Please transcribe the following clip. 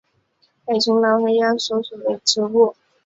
北重楼是黑药花科重楼属的植物。